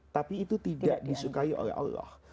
tapi itu tidak disukai oleh allah